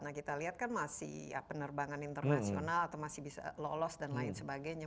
nah kita lihat kan masih penerbangan internasional atau masih bisa lolos dan lain sebagainya